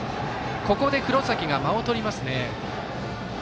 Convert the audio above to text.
ここで黒崎が間をとりますね。